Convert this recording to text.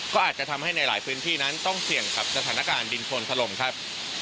ก็อาจจะทำให้ในหลายพื้นที่นั้นต้องเสี่ยงกับสถานการณ์ดินโคนถล่มครับ